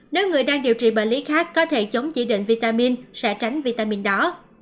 nếu người đang điều trị bệnh lý khác có thể chống chỉ định vitamin sẽ tránh vitamin đó